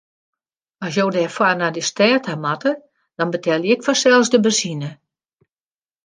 As jo derfoar nei de stêd ta moatte, dan betelje ik fansels de benzine.